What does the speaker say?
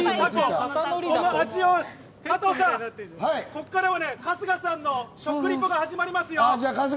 ここからは春日さんの食リポが始まりますよ。